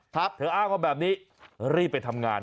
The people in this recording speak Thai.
เธออ้างว่าแบบนี้รีบไปทำงาน